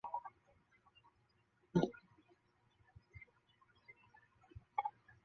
富宁油果樟为樟科油果樟属下的一个种。